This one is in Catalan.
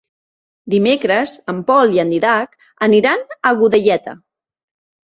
Dimecres en Pol i en Dídac aniran a Godelleta.